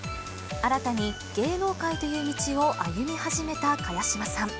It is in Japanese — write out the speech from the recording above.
新たに芸能界という道を歩み始めた茅島さん。